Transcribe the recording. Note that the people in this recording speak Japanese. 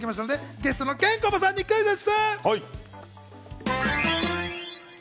ゲストのケンコバさんにクイズッス！